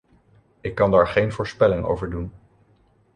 Ik kan daar geen voorspelling over doen.